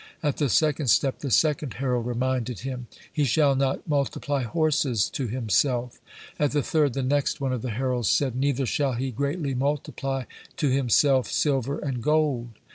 At the second step, the second herald reminded him, "He shall not multiply horses to himself"; at the third, the next one of the heralds said, "Neither shall he greatly multiply to himself silver and gold."